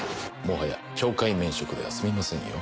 もはや懲戒免職では済みませんよ。